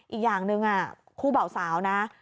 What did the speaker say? อีกอย่างหนึ่งคู่เบาสาวนะ